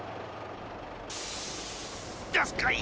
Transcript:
・どすこい！